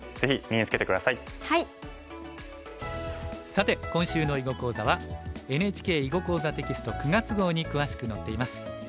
さて今週の囲碁講座はＮＨＫ「囲碁講座」テキスト９月号に詳しく載っています。